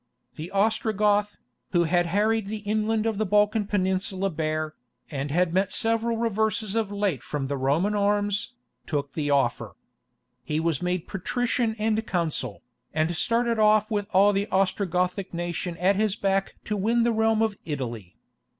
The Ostrogoth, who had harried the inland of the Balkan Peninsula bare, and had met several reverses of late from the Roman arms, took the offer. He was made "patrician" and consul, and started off with all the Ostrogothic nation at his back to win the realm of Italy.